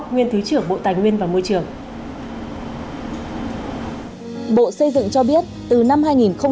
nguyên thứ trưởng bộ tài nguyên và môi trường